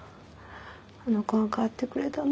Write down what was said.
あの子が変わってくれたの。